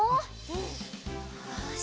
よし！